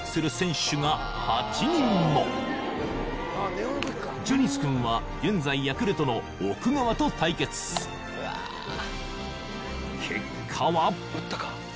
現在ジャニス君は現在ヤクルトの奥川と対決結果は？